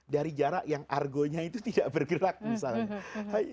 dari jarak yang argonya itu tidak bergerak misalnya